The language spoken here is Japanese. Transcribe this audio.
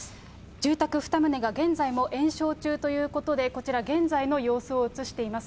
住宅２棟が現在も延焼中ということで、こちら、現在の様子を映しています。